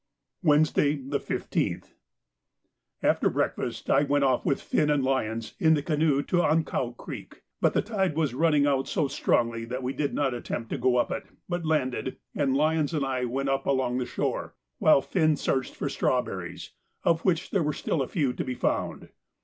Wednesday, the 15th.—After breakfast I went off with Finn and Lyons in the canoe to Ankau Creek, but the tide was running out so strongly that we did not attempt to go up it, but landed, and Lyons and I went up along the shore, while Finn searched for strawberries, of which there were still a few to be found.